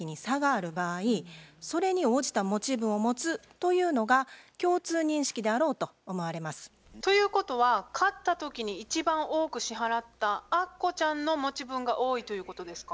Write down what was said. というのが共通認識であろうと思われます。ということは買った時に一番多く支払ったアッコちゃんの持分が多いということですか？